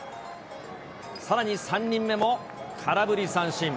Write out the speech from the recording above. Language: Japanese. さらに３人目も空振り三振。